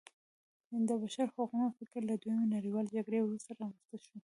د بشر د حقونو فکر له دویمې نړیوالې جګړې وروسته رامنځته شو.